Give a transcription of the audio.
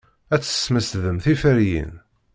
Ad tesmesdem tiferyin.